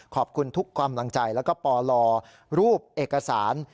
ขอบคุณทุกกำลังใจแล้วก็ปลรูปเอกสาร